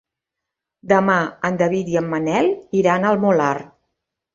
Demà en David i en Manel iran al Molar.